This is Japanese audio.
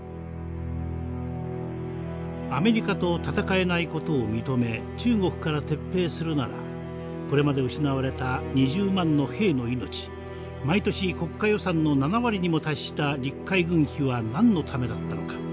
アメリカと戦えないことを認め中国から撤兵するならこれまで失われた２０万の兵の命毎年国家予算の７割にも達した陸海軍費は何のためだったのか。